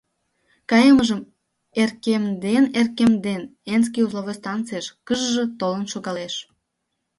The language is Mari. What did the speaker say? Кайымыжым эркемден-эркемден, энский узловой станцийыш кыж-ж толын шогалеш.